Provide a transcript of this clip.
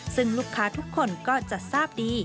ซึ่งลูกค้าทุกคนก็จะทราบดี